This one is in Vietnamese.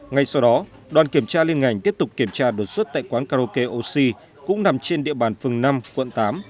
ngay sau đó đoàn kiểm tra liên ngành tiếp tục kiểm tra đột xuất tại quán karaoke oxy cũng nằm trên địa bàn phường năm quận tám